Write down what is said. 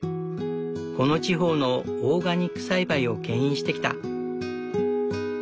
この地方のオーガニック栽培をけん引してきた。